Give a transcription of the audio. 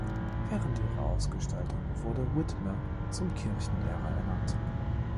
Während ihrer Ausgestaltung wurde Whitmer zum Kirchenlehrer ernannt.